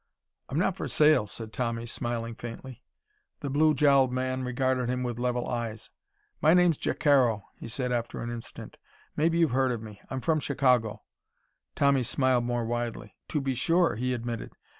"I'm not for sale," said Tommy, smiling faintly. The blue jowled man regarded him with level eyes. "My name's Jacaro," he said after an instant. "Maybe you've heard of me. I'm from Chicago." Tommy smiled more widely. "To be sure," he admitted.